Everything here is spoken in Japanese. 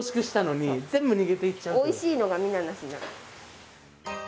おいしいのがみんななくなる。